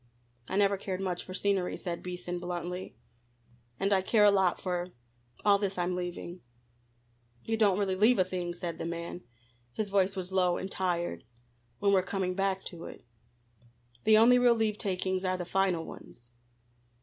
"I never cared much for scenery," said Beason bluntly, "and I care a lot for all this I'm leaving." "We don't really leave a thing," said the man his voice was low and tired "when we're coming back to it. The only real leave takings are the final ones."